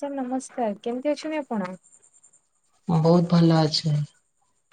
Sir ନମସ୍କାର କେମିତି ଅଛନ୍ତି ଆପଣ? ମୁ ବହୁତ ଭଲ ଅଛି,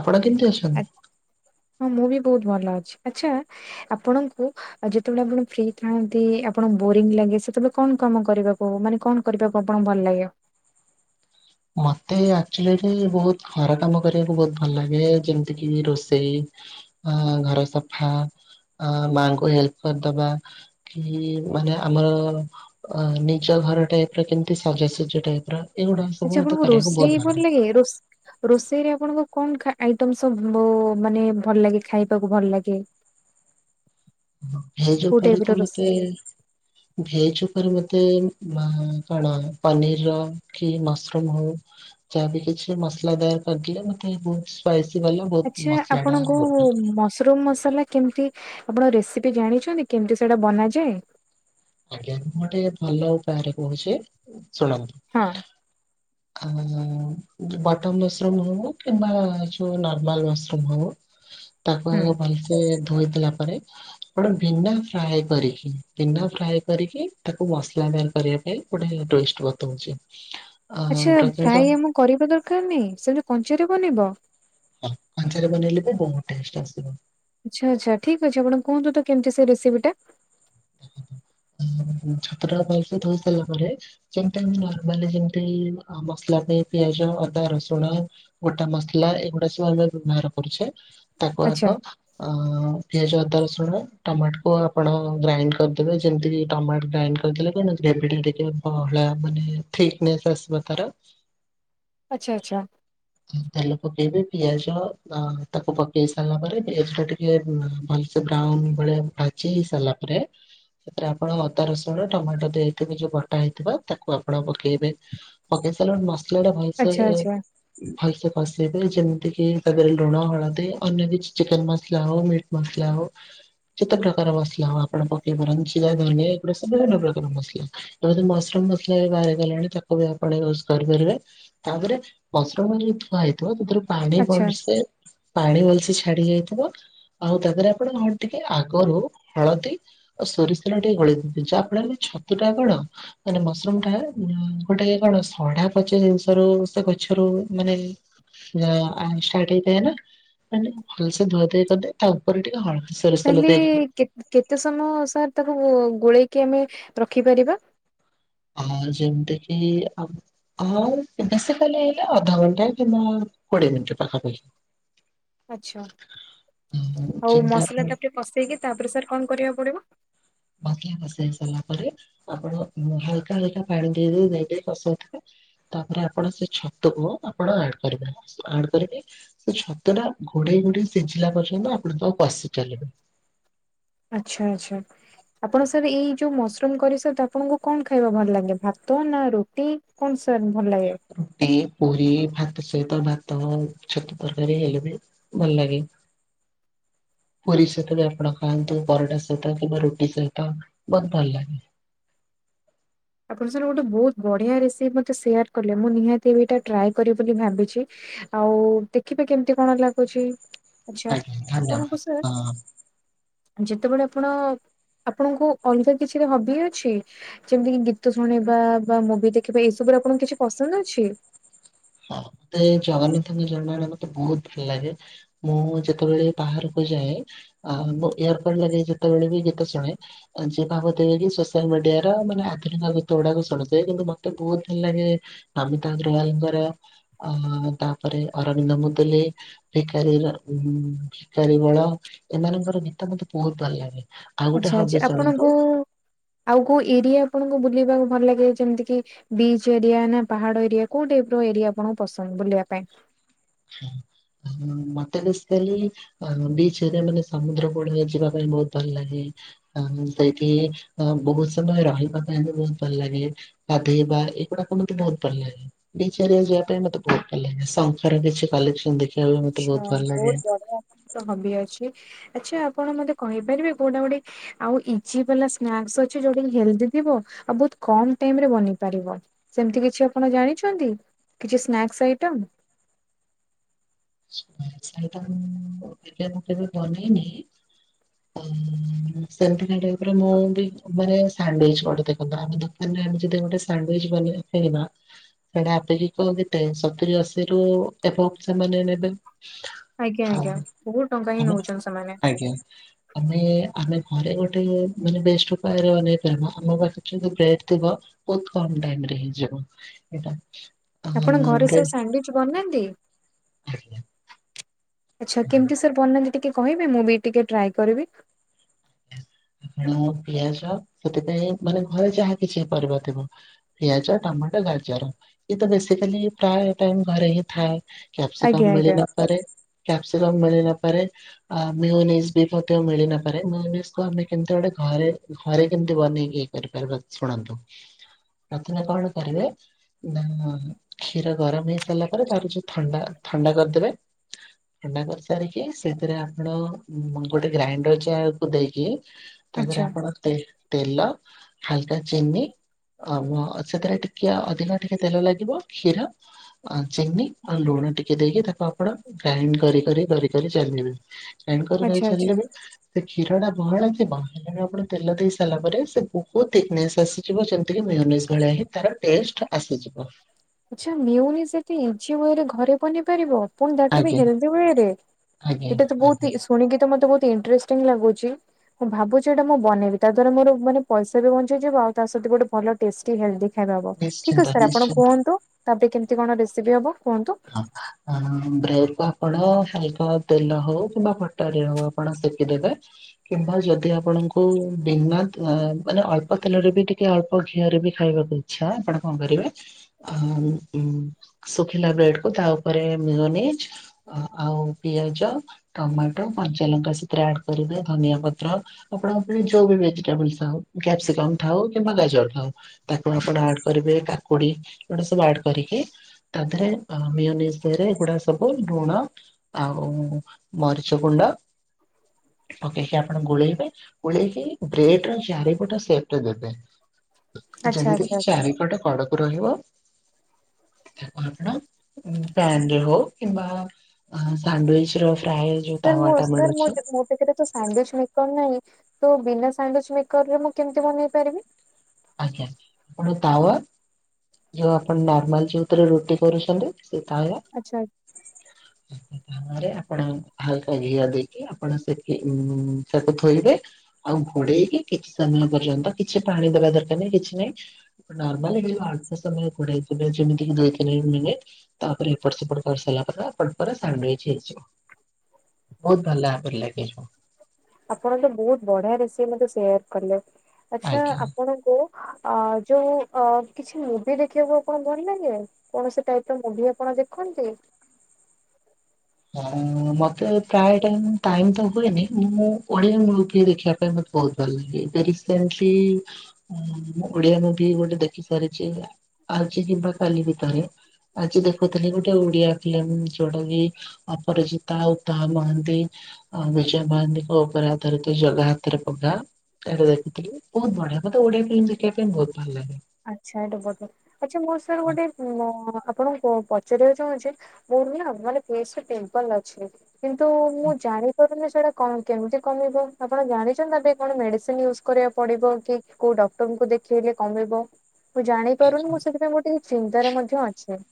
ଆପଣ କେମତି ଆସୁ? ହଁ ମୁଁ ବି ବହୁତ ଭଲ ଅଛି, ଆଚ୍ଛା ଆପଣଙ୍କୁ ଆଉ ଯେତେବେଳେ ଆପଣ ଫ୍ରି ଥାଆନ୍ତି ଆପଣ ବୋରିଂ ଲାଗେ ସେତେବେଳେ କଣ କାମ କରିବାକୁବ ମାନେ କଣ କରିବାକୁ ଆପଣଙ୍କୁ ଭଲ ଲାଗିବ? ମତେ ଆଚୁଆଲି ବହୁତ ଘର କାମ କରିବାକୁ ବହୁତ ଭଲ ଲାଗେ ଯେମିତି କି ରୋଷେଇ। ଅ ଘର ସଫା ମାଙ୍କୁ ହେଲ୍ପ କରିଦବା। କି ମାନେ ଆମର ଅ ନିଜ ଘର ଟାଇପ ର କେମିତି ସାଜାସଜି ଟାଇପ ର ଏଗୁଡା ଆଚ୍ଛା ସବୁ ମତେ ରୋଷେଇ ଭଲ ଲାଗେ? ରୋଷ ରୋଷେଇ ରେ ଆପଣଙ୍କ କଣ ଖା ଆଇଟମ ସବୁ ମାନେ ଭଲ ଲାଗେ ଖାଇବାକୁ ଭଲ ଲାଗେ? ହେଯ କୋଉ ଟାଇପ ପରେ ର ତ ରୋଷେଇ ମତେ ଭଲ ଲାଗେ? ଭେଜ ଉପରେ ମତେ ଆଁ କଣ ପନିରର କି ମସରୁମ ହଉ। ଚାହା ବି କିଛି ମସଲା ଦାର କରିଦଲେ ମତେ ବହୁତ ସ୍ପାଇସି ବାଲା ବହୁତ ଆଚ୍ଛା ମସଲା ଟା ଆପଣଙ୍କୁ ଭଲ। ମସରୁମ ମସଲା କେମିତି ଆପଣ ରେସିପି ଜାଣିଛନ୍ତି କେମିତି ସେଇଟା ବନାଯାଏ? ଆଜ୍ଞା ମୁଁ ଗୋଟେ ଭଲ ଉପାୟରେ କହୁଛି ଶୁଣନ୍ତୁ? ହଁ। ଆଁ ବଟମ ମଶ୍ରୁମ୍ ହଉ କିମ୍ବା ନର୍ମାଲ ମସରୁମ୍ ହଉ। [inaudible] ତାକୁ ଭଲ ସେ ଧୋଇ ଦେଲା ପରେ ଆପଣ ବିନା ଫ୍ରାଏ କରିକି ବିନା ଫ୍ରାଏ କରିକି ତାକୁ ମସଲା ଦାର କରିବା ପାଇଁ ଗୋଟେ ଟେଷ୍ଟ ବତଉଛି। ଅ ଆଚ୍ଛା ପ୍ରଥମତଃ ଫ୍ରାଏ ଆମକୁ କରିବା ଦରକାର ନାହିଁ ସେମତି କଞ୍ଚ ରେ ବନିବ। ହଁ, କଞ୍ଚାରେ ବନେଇଲେ ବି ବହୁତ ଟେଷ୍ଟ ଆସିବ। ଆଚ୍ଛା, ଆଚ୍ଛା ଠିକ୍ ଅଛି ଆପଣ କୁହୁନ୍ତୁ ତ କେମିତି ସେ ରେସିପି ଟା? ଉଁ ଛତୁ ଟା ଭଲସେ ଧୋଇ ସାରିଲା ପରେ ଯେମତି ଆମେ ନର୍ମାଲି ଯେମତି ମସଲା ଦେଇ ପିଆଜ, ଅଦା, ରସୁଣ। ଗୋଟା ମସଲା ଏଇଗୁଡା ସବୁ ଆମେ ବ୍ୟବହାର କରୁଛେ। ତାକୁ ଆଚ୍ଛା, ଆଗ ଅ ପିଆଜ, ଅଦା, ରସୁଣ, ଟମାଟ କୁ ଆପଣ ଗ୍ରାଇଣ୍ଡ କରିଦେବେ, ଯେମିତି ଟମାଟ ଗ୍ରାଇଣ୍ଡ କରିଦେଲେ କ ଗ୍ରେଭି ଟା ଟିକେ ବହଳିଆ ମାନେ ଥିକ ନେସ ଆସବ ତାର। ଆଚ୍ଛା ଆଚ୍ଛା। ତେଲ ପକେଇବେ, ପିଆଜ ଅ ତାକୁ ପକେଇ ସାରିଲା ପରେ ପିଆଜ ଟା ଟିକେ ଆଁ ଭଲ ସେ ବ୍ରାଉନ୍ ଭଳିଆ ଭାଜି ହେଇ ସାରିଲା ପରେ ସେଥିରେ ଆପଣ ଅଦା, ରସୁଣ, ଟମାଟୋ ଦେଇେ ଥିବେ ଯୋଉ ବଟା ହେଇଥିବ ତାକୁ ଆପଣ ପକେଇବେ। ପକିସାଲେ ମସଲାଟା ଭଲସେ ଆଚ୍ଛା, ଆଚ୍ଛା, ଭଲସେ କଷେଇିବେ ଯେମିତି କି ତା ଦେରେ ଲୁଣ, ହଳଦୀ, ଅନ୍ୟ କିଛି ଚିକେନ ମସଲା ହଉ ମିଟ୍ ମସଲା ହଉ। ଯେତେ ପ୍ରକାର ମସଲା ହୁଉ ଆପଣ ପକେଇ ପାରନ୍ତି ଜିରା, ଧନିଆ, ଏ ଗୁରା ସବୁ ପ୍ରକାର ମସଲା। ଏବେ ତ ମସରୁମ୍ ମସଲା ବି ବାହାରି ଗଲାଣି ତାକୁ ବି ଆପଣ ୟୁଜ କରିପାରିବେ। ତା ପରେ ମୁଶ୍ରୁମ୍ ମାନେ ଧୁଆ ହେଇଥିବ ସେଥିରୁ ପାଣି ଆଚ୍ଛା ଭଲସେ ପାଣି ଭଲସେ ଛାଡି ଯାଇଥିବ। ଆଉ ତା ଦେହରେ ଆପଣ କଣ ଟିକେ ଆଗରୁ ହଳଦୀ ଆଉ ସୋରିଷ ତେଲ ଟିକେ ଗୋଳେଇ ଦେଇଥିବେ, ଯାହା ଫଳରେ ଛତୁ ଟା ଆପଣ ମାନେ ମସରୁମ ଟା ଗୋଟେ କଣ ସଢା ପଚା ଜିନିଷ ରୁ ସେ କହି ଛରୁ ମାନେ ଜ ଆଁ ଷ୍ଟାର୍ଟ ହେଇଥାଏ ନା, ମାନେ ଭଲ ସେ ଧୁଆ ଧୁଇ କଲେ ତା ଉପରେ ଟିକେ ହଳ ତା ହେଲେ କେ କେତେ ସମୟ ସାର୍ ତାକୁ ଗୋଳେଇକି ଆମେ ରଖିପାରିବା? ଆ ଯେମିତି କିି ଆ ହଉ ବେଶୀ କାଲି ହେଲେ ଅଧଘଣ୍ଟା କିମ୍ବା କୋଡିଏ ମିନିଟ୍ ପାଖା ପାଖି। ଆଛା। ଅଁ, ଆଉ ଯେମିତି ଆପଣ ମସଲା ଟା କେମ୍ ବସେଇକି ତା ପରେ ସାର୍ କଣ କରିବାକୁ ପଡିବ? ଭଗିଆ କଷେଇ ସାରିଲା ପରେ ଆପଣ ହାଲକା ହାଲକା ପାଣି ଦେଇ ଦେଇ କସଉଥିବେ। ତା ପରେ ଆପଣ ସେ ଛତୁକୁ ଆପଣ ଆଡ୍ କରିବେ ଆଡ କରିବେ ସେ ଛତୁ ଟା ଘୋଡେଇ ଘୋଡେଇ ସିଝିଲା ପର୍ଯ୍ୟନ୍ତ ଆପଣ ତାକୁ କଷି ଚାଲିବେ। ଆଚ୍ଛା, ଆଚ୍ଛା। ଆପଣ ସାରେ ଏଇ ଯୋଉ ମସରୁମ କରି ସହିତ ଆପଣଙ୍କୁ କଣ ଖାଇବା ଭଲ ଲାଗେ ଭାତ ନା ରୁଟି? କଣ ସାର୍ ଭଲ ଲାଗେ? ରୁଟି, ପୁରୀ, ଭାତ ସହିତ ଭାତ, ଛତୁ ତରକାରୀ ହେଲେ ବି ଭଲ ଲାଗେ। [inaudible] ପୁରୀ ସହିତ ବି ଆପଣ ଖାଆନ୍ତୁ ପରଟା ସହିତ କିମ୍ବା ରୁଟି ସହିତ ବ ଭଲ ଲାଗେ। ଆପଣ ସାରେ ଗୋଟେ ବହୁତୁ ବଢିଆ ରେସିପି ମତେ ସେୟାର କଲେ ମୁଁ ନିହାତି ଏଟା ଟ୍ରାଏ କରିବି ବୋଲି ଭାବିଛି। ଆଉ ଦେଖିବେ କେମିତି କଣ ଲାଗୁଛି, ଆଛା ଆଜ୍ଞା ଧନ୍ୟବାଦ ଆପଣଙ୍କୁ ସାର୍ ହଁ ଯେତେବେଳେ ଆପଣ ଆପଣଙ୍କୁ ଅଲଗା କିଛି ହବି ଅଛି, ଯେମିତି କି ଗି ଗୀତ ଶୁଣିବା ବା ମୁଭି ଦେଖିବା ଏଇ ସବୁରେ ଆପଣଙ୍କୁ କିଛି ପସନ୍ଦ ଅଛି? ହଁ, ମତେ ଜଗନ୍ନାଥଙ୍କ ଜନମାନ ମତେ ବହୁତ ଭଲ ଲାଗେ। ମୁଁ ଯେତେବେଳେ ବାହାରକୁ ଯାଏ ଆଉ ମୁଁ ଇୟରକର୍ଡ ଲାଗେଇ ଯେତେବେଳେ ବି ଗୀତ ଶୁଣେ ଆଉ ଯିଏ ତ ଭାବୁଥିବେ କି ସୋସିଆଲ ମିଡିଆର ମାନେ ଆଧୁନିକ ଗୀତ ଗୁଡ଼ାକ ଶୁଣୁଥିବେ କିନ୍ତୁ ମତେ ବୋହୁତ୍ ଭଲ ଲାଗେ ନମିତା ଅଗ୍ରୱାଲଙ୍କର ଅହ ହଁ ତାପରେ ଅରବିନ୍ଦ ମୁଦୁଲି ଭିକାରୀର ଉ ଭିକାରୀ ବଳ ଏମାନଙ୍କର ଗୀତ ମତେ ବୋହୁତ୍ ଭଲ ଲାଗେ। ଆଉ ଗୋଟେ ଆଚ୍ଛା ଆଚ୍ଛା ହବି ଶୁଣନ୍ତୁ ଆପଣଙ୍କୁ ଆଉ କୋଉ ଏରିଆ ଆପଣଙ୍କୁ ବୁଲିବାକୁ ଭଲ ଲାଗେ ଯେମିତି କିି? ବିଚ୍ ଏରିଆ ନା ପାହାଡ଼ ଏରିଆ କୋଉ ଟାଇପ୍ ର ଏରିଆ ଆପଣଙ୍କୁ ପସନ୍ଦ ବୁଲିବା ପାଇଁ? ହୁଁ ହୁଁ ଉଁ ମୋତେ ବେଶିକାଲି ଅ ବିଚ୍ ଏରିଆ ମାନେ ସମୁଦ୍ର କୂଳକୁ ଯିବା ପାଇଁ ବୋହୁତ୍ ଭଲ ଲାଗେ। ହଁ ହଁ ସେଇଠି ବୋହୁତ୍ ସମୟ ରହିବା ପାଇଁ ବି ବୋହୁତ୍ ଭଲ ଲାଗେ। ଗାଧେଇବା ଏଗୁଡ଼ାକ ମତେ ବୋହୁତ୍ ଭଲ୍ ଲାଗେ ବିଚ୍ ଏରିଆ ଯିବା ପାଇଁ ମତେ ବୋହୁତ୍ ଭଲ ଲାଗେ ଶଙ୍ଖର କିଛି କଲେକ୍ସନ୍ ଦେଖିବାକୁ ବି ମତେ ଆଚ୍ଛା ବୋହୁତ୍ ଭଲ୍ ଲାଗେ। ବହୁତ ବଢିଆ। ହବି ଅଛି ଆଚ୍ଛା ଆପଣ ମତେ କହିପାରିବେ କୋଉଟା ଗୋଟେ ଆଉ ଇଜି ବାଲା ସ୍ନାସ୍ ଅଛି ଯୋଉଟା କି ହେଲ୍ଦୀ ଥିବା ଆଉ ବୋହୁତ୍ କମ୍ ଟାଇମ୍ ରେ ବନେଇ ପାରିବ? ସେମିତି କିଛି ଆପଣ ଜାଣିଛନ୍ତି କିଛି ସ୍ନାକ୍ସ ଆଇଟମ୍? ସେଇଟା ମୁଁ ମୁଁ କେବେ ମୁଁ ବନେଇନି। [inaudible] ଉଁ -ଉଁ -ଉଁ ସେମିତି କା ଟାଇପ୍ ର ମୁଁ ବି ମାନେ ସାଣ୍ଡୁଏଚ୍ ଗୋଟେ ଦେଖନ୍ତୁ ମାନେ ଆମେ ଯଦି ଗୋଟେ ଶଣ୍ଡୁଏଚ୍ ବନେଇ ପାରିବା। ସେଟା ଆପିରି କୁ କେତେ ସତୁରି ଅସି ରୁ ଏଭବ ସେମାନେ ନେବେ ଆଜ୍ଞା ହଁ ଆଜ୍ଞା ବହୁତ ଟଙ୍କା ହିଁ ଆମେ ନଉଛନ୍ତି ସେମାନେ ଆଜ୍ଞା। ଆମେ ଆମେ ଘରେ ଗୋଟେ ମାନେ ବେଷ୍ଟ ଉପାୟରେ ବନେଇପାରିବା ଆମ ପାଖରେ ଯଦି ବ୍ରେଡ୍ ଥିବ। ବୋହୁତ୍ କମ୍ ଟାଇମ୍ ରେ ହେଇଯିବ ଏଇଟା। ଆପଣ ଘରେ ବ୍ରେଡ ସବୁ ସାଣ୍ଡୁଏଚ୍ ବନାନ୍ତି? ଆଜ୍ଞା। ଆଚ୍ଛା କେମତି ସାର୍ ବନାନ୍ତି ଟିକେ କହିବେ ମୁଁ ବି ଟିକେ ଟ୍ରାଏ କରିବି? ହଁ ପିଆଜ ସେଥିପାଇଁ ମାନେ ଘରେ ଯାହା କିଛି ପରିବା ଥିବ। ପିଆଜ ଟମାଟୋ ଗାଜର ଇଏ ତ ବେସିକାଲି ପ୍ରାୟ ଟାଇମ୍ ଘରେ ହିଁ ଥାଏ। ଆଜ୍ଞା କ୍ୟାପ୍ସିକମ୍ ଆଜ୍ଞା ମିଳିନ ପାରେ କ୍ୟପ୍ସିକମ୍ ମିଳିନପାରେ। ଆ ମ୍ୟୁନିଯି ବି ମଧ୍ଯ ମିଳିନପରେ। ମ୍ୟୁନି କୁ ଆମେ କେମିତି ଗୋଟେ ଘରେ ଘରେ କେମିତି ବନେଇକି ଇଏ କରିପାରିବା ଶୁଣନ୍ତୁ। ନଥିନେ କଣ କରିବେ? ନା କ୍ଷୀର ଗରମ ହେଇ ସାରିଲା ପରେ ତାର ଯୋଉ ଥଣ୍ଡା ଥଣ୍ଡା କରିଦେବେ। ଥଣ୍ଡା କରି ସାରିକି ସେଥିରେ ଆପଣ ଗୋଟେ ଗ୍ରାଇଣ୍ଡର୍ ଜାର୍ କୁ ଦେଇ କି ତା ପରେ ଆଚ୍ଛା ଆପଣ ତେଲ୍ ତେଲ ହାଲ୍କା ଚିନି ଅମ ଅଁ ସେଥିରେ ଟିକେ ଅଧିକ ଟିକେ ତେଲ ଲାଗିବ, କ୍ଷୀର ଆଉ ଚିନି ଆଉ ଲୁଣ ଟିକେ ଦେଇକି ତାକୁ ଆପଣ ଗ୍ରାଇଣ୍ଡ କରି କରି କରି କରି ଚାଲିବେ ଗ୍ରାଇଣ୍ଡ କରି କରି ଆଚ୍ଛା ଆଚ୍ଛା। ଚାଲିଲେବି ସେ କ୍ଷୀର ଟା ବହଳ ଥିବ ଏବେ ଆପଣ ତେଲ ଦେଇ ସାରିଲା ପରେ ସେ ବୋହୁତ୍ ଥିକନେସ୍ ଆସିଯିବ ଯେମିତି କି ମିହ୍ୟୁନିସ୍ ଭଳିଆ ହିଁ। ତାର ଟେଷ୍ଟ୍ ଆସିଯିବ। ଆଛା ମିଓନିସ୍ ଏତେ ଇଜି ଓ ଏରେ ଘରେ ବନେଇ ପାରିବ। ପୁଣି ଦ୍ୟାଟ୍ ଟୁ ବି ଆଜ୍ଞା ଗ୍ରେଭି ଓ ଏରେ ଆଜ୍ଞା ଏଇଟା ତ ଆଜ୍ଞା ବହୁତି ଶୁଣିକି ମତେ ଇନଟ୍ରେ କେମିତି ଲାଗୁଛି? ମୁଁ ଭାବୁଛି ଏଇଟା ମୁଁ ବନେଇବି ତା ଦ୍ଵାରା ମୋର ମାନେ ପଇସା ବି ବଞ୍ଚିଯିବ ଆଉ ତା ସହିତ ଗୋଟେ ଭଲ ଟେଷ୍ଟି ହେଲ୍ଦି ଖାଇବା ହବ, ଠିକ୍ ନିଶ୍ଚିନ୍ତ ଅଛି ସାର୍ ଆପଣ ନିଶ୍ଚିନ୍ତ କୁହନ୍ତୁ ତାପରେ କେମିତି କଣ ରେସିପି ହବ କୁହନ୍ତୁ? ଆ ଆ ହଁ ବ୍ରେଡ କୁ ଆପଣ ସ୍ୱଳ୍ପ ତେଲ ହଉ କିମ୍ବା ବଟରରେ ହୋଉ ଆପଣ ସେକି ଦେବେ। କିମ୍ବା ଯଦି ଆପଣଙ୍କୁ ବିନା ମାନେ ଅଳ୍ପ ତେଲରେ ବି ଟିକେ ଅଳ୍ପ ଘିଅରେ ବି ଖାଇବାକୁ ଇଚ୍ଛା ଆପଣ କଣ କରିବେ ଅ ଉଁଉଁ ଶୁଖିଲା ବ୍ରେଡ କୁ ତା ଉପରେ ମିୟୁନିଜ୍ ଆଉ ପିଆଜ। ଟମାଟୋ, କଞ୍ଚାଲଙ୍କା ସେଥିରେ ଆଡ କରିବେ ଧନିଆ ପତ୍ର। ଆପଣଙ୍କ ପାଖରେ ଯଉ ବି ଭେଜିଟେବଲ ଥାଉ କାପ୍ସିକମ ଥାଉ କିମ୍ବା ଗାଜର ଥାଉ। ତାକୁ ଆପଣ ଆଡ କରିବେ କାକୁଡି ଏଗୁଡା ସବୁ ଆଡ କରିକି ତା ଦେହରେ ଅ ମିଓନିଜ୍ ଦିହରେ ଏଗୁଡା ସବୁ ଲୁଣ ଆଉ ମରିଚ ଗୁଣ୍ଡ ପକେଇକି ଆପଣ ଗୋଳେଇବେ ଗୋଳେଇକି ବ୍ରେଡ ର ଚାରିପଟ ସେପରେ ଦେବେ। ଆଚ୍ଛା ଯେମିତି ଆଚ୍ଛା କି ଆଚ୍ଛା। ଚାରିପଟ କଡ ରହିବ ତାକୁ ଆପଣ ପ୍ୟାନ ରେ ହଉ କିମ୍ବା ସାଣ୍ଡୁଇଚ ର ଫ୍ରାଏ ଯୋଉ ତାୱାଟା ମିଳୁଛି। ସେଥିରେ ତ ସାଣ୍ଡୁଇଚ ମେକର ନାହିଁ ତ ବିନା ସାଣ୍ଡୁଇଚ ମେକରରେ ମୁଁ କେମିତି ବନେଇ ପାରିବି? ଆଜ୍ଞା ଗୋଟେ ତାୱା ଯୋଉ ଆପଣ ନର୍ମାଲ ଯଉଥରେ ରୁଟି କରୁଛନ୍ତି ସେ ତାୱା। ଆଛା। ରେ ଆପଣ ହାଲକା ଘିଅ ଦେଇକି ଆପଣ ସେଠି ତାକୁ ଥୋଇବେ। ଆଉ ଘୋଡେଇକି କିଛି ସମୟ ପର୍ଯ୍ୟନ୍ତ କିଛି ପାଣି ଦବା ଦରକାର ନାହିଁ କିଛି ନାହିଁ। ନର୍ମାଲ ଏଠି ଅଳ୍ପ ସମୟ ଘୋଡେଇଥିବେ ଯେମିତି କି ଦୁଇ ତିନି ମିନିଟ୍। ତାପରେ ଏପଟ ସେପଟ କରିସାରିଲା ପରେ ଆପ ପରା ସାଣ୍ଡୁଇଜ୍ ହେଇଯିବ। ବହୁତ ଭଲ ପା ଲାଗିବ। ଆପଣ ତ ବହୁତ ବଢିଆ ରେସିପି ମତେ ସେୟାର କଲେ, ଆଚ୍ଛା ଆଜ୍ଞା। ଆପଣଙ୍କୁ ଅ ଯୋଉ ଅ କିଛି ମୁଭି ଦେଖିବାକୁ କଣ ଭଲ ଲାଗେ? କୌଣସି ଟାଇପ ର ମୁଭି ଆପଣ ଦେଖନ୍ତି? ହଁ ମତେ ପ୍ରାୟ ଟାଇମ ଟାଇମ ତ ହୁଏନି ମୁଁ ଓଳିଆ ମୂଳ ଟିକେ ଦେଖିବା ପାଇଁ ମତେ ବହୁତ ଭଲ ଲାଗେ [unintelligible] ସେମତି ହ ଓଡିଆ ମୁଭି ଗୋଟେ ଦେଖି ସାରିଛି ଆଜି କିମ୍ବା କାଲି ଭିତରେ। ଆଜି ଦେଖୁଥିଲି ଗୋଟେ ଓଡିଆ ଫିଲ୍ମ ଯୋଉଟା କି ଅପରାଜିତା, ଉତାମ ମହାନ୍ତି, ଅ ବିଜୟ ମହାନ୍ତିଙ୍କ ଉପରେ ଆଧାରିତ। ସେ ଜଗା ହାତରେ ପଘା ସେଟା ଦେଖୁଥିଲି, ବହୁତ ବଢିଆ ମତେ ଓଡିଆ ଫିଲ୍ମ ଦେଖିବା ପାଇଁ ବହୁତ ଭଲ ଲାଗେ। ଛାଟ ବଟ ଆଚ୍ଛା ମୋ ସରେ ଗୋଟେ ଆପଣଙ୍କୁ ପଚାରିବାକୁ ଚାହୁଁଛି? ମୋର ନା ମାନେ ଫେସରେ ପିମ୍ପଲ ଅଛି। କିନ୍ତୁ ମୁଁ ଜାଣିପାରୁନି ସେଇଟା କଣ କେମିତି କମିବ ଆପଣ ଜାଣିଛନ୍ତି ତାର ଟିକେ କଣ ମେଡିସିନ ୟୁଜ୍ କରିବାକୁ ପଡିବ କି କୋଉ ଡକ୍ଟରଙ୍କୁ ଦେଖେଇଲେ କମିବ ମୁଁ ଜାଣି ପାରୁନି ମୁଁ ସେଥିପାଇଁ ବହୁତ ଟିକେ ଚିନ୍ତାରେ ମଧ୍ୟ ଅଛି।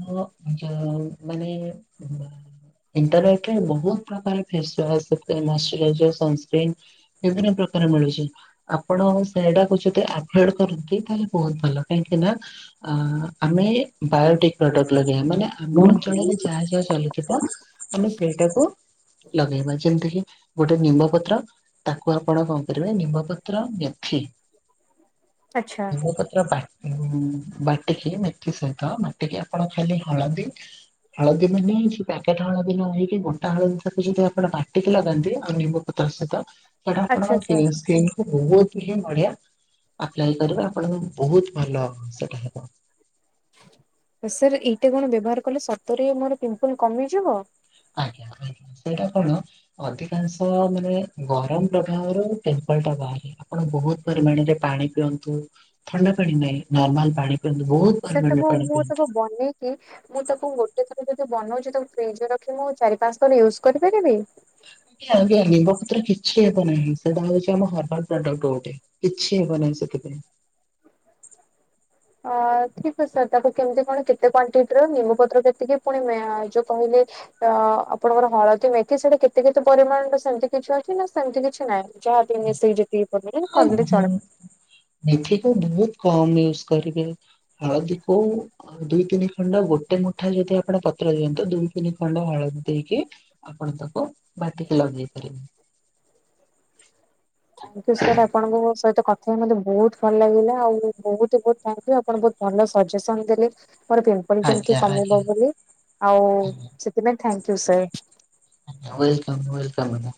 ମୋ ଯଉ ମାନେ ଇଣ୍ଟରନେଟରେ ବହୁତ ପ୍ରକାର ଫେସୱାସ୍, ମରସୁରାଜର, ସନ୍ସକ୍ରିମ୍, ବିଭିନ୍ନ ପ୍ରକାର ମିଳୁଚି। ଆପଣ ସେଇଡାକୁ ଯେତେ ଆଭଏଡ୍ କରନ୍ତି ତାହେଲେ ବହୁତ୍ ଭଲ କାହିଁକି ନା ଆ ଆମେ ବାୟୋଟିକ ପ୍ରଡକ୍ଟ୍ ଲଗେଇଆ। ମାନେ ଆମ ଅଞ୍ଚଳରେ ଯାହା ଯାହା ଚାଲୁଥିବ ଆମେ ସେଇଟାକୁ ଲଗେଇବା। ଯେମିତି କିି ଗୋଟେ ନିମ୍ବ ପତ୍ର। ତାକୁ ଆପଣ କଣ କରିବେ ନିମ୍ବପତ୍ର ମେଥି ଆଚ୍ଛା ମୁ ପତ୍ର ବା ଉମ୍ ବାଟିକି ମେ ଥି ସହିତ ମାଟିକି ଆପଣ ଖାଲି ହଳଦୀ ହଳଦୀ ବି ନେଇକି ପ୍ୟାକେଟ୍ ହଳଦୀ ନ ହେଇକି ଗୋଣ୍ଟା ହଳଦୀ ତାକୁ ଯେଦି ଆପଣ ବାଟିକି ଲଗାନ୍ତି ଆଉ ନିମ୍ବ ପତ୍ର ସଇତ ପଢା ଆପଣ ଆଚ୍ଛା କେ ସାର୍ ସ୍କିନ୍ ବହୁତ୍ ହିଁ ବଢିଆ ଆପ୍ଲାଏ କରିବେ। ଆପଣଙ୍କ ବହୁତ୍ ଭଲ ସେଟା ହେବ। ସାର୍ ଏଇଟା କଣ ବ୍ୟବହାର କଲେ ସତରେ ମୋର ପିମ୍ପଲ କମିଯିବ। ଆଜ୍ଞା। ଏଇଟା କଣ? ଅଧିକାଂଶ ମାନେ ଗରମ ପ୍ରଭାବରୁ ପେମ୍ପଲ ଟା ବାହାରେଐ ଆପଣ ବହୁତ ପରିମାଣରେ ପାଣି ପିଅନ୍ତୁ। ଥଣ୍ଡା ପାଣି ନାହିଁ ନର୍ମାଲ ପାଣି। ପିଅନ୍ତୁ। ବହୁତ୍ ପରିମାଣରେ ପାଣି ପିଅନ୍ତୁ। କି ମୁଁ ତାକୁ ଗୋଟେ ଥର ଯଦି ବନଉଚି ତାକୁ ଫ୍ରିଜ୍ ରେ ରଖି ମୁଁ ଚାରି ପାଞ୍ଚ ଥର ୟୁଜ୍ କରିପାରିବି। ଆଜ୍ଞା ନିମ୍ବ ପତ୍ର କିଛି ହେବ ନାହିଁ ସେଇଟା ହଉଚି ଆମ ହର୍ବଲ ପ୍ରଡକ୍ଟ ଗୋଟେ। କିଛି ହେବ ନାହିଁ ସେଥିପାଇଁ। ଅ ଠିକ୍ ଅଛି ସାର୍। ତାକୁ କେମିତି କଣ କେତେ କ୍ଵାଣ୍ଟିଟିର ନିମପତ୍ର କେତିକି ପୁଣି ମେ ଆଁ ଯୋଉ କହିଲେ? ତ ଆପଣଙ୍କର ହଳଦୀ ମେଥି ସେଟା କେତେ କେତେ ପରିମାଣରେ ସେମତି କିଛି ଅଛି ନା ସେମତି କିଛି ନାହିଁ? ଯାହା ବି ମିଶେଇ ଯେତିକି [unintelligible] କମିଲେ ହଁ ଚଳବ। ମେଥି କୁ ବହୁତ୍ କମ ୟୁଜ୍ କରିବେ ହଳଦୀ କୁ ଆଉ ଦୁଇ ତିନି ଖଣ୍ଡ ଗୋଟେ ମୁଠା ଯଦି ଆପଣ ପତ୍ର ଦିଅନ୍ତୁ। ଦୁଇ ତିନି ଖଣ୍ଡ ହଳଦୀ ଦେଇକି ଆପଣ ତାକୁ ବାଟିକି ଲଗେଇ ପାରିବେ। ଥାଙ୍କ୍ ଉ ସାର୍। ଆପଣଙ୍କ ସହିତ କଥାହେଇ ମୋତେ ବହୁତ ଭଲ ଲାଗିଲା। ଆଉ ବହୁତ୍ ବହୁତ୍ କିଏ ଆପଣ ବହୁଊତ ଭଲ ସଜେସନ ଦେଲେ। ପରତୁ ପଲେ କେମତି ଆଜ୍ଞା କମିବ ଆଜ୍ଞା ବୋଲି ଆଉ ସେଥିପାଇଁ ଥାଙ୍କୟୁ ସାର୍। Welcome welcome.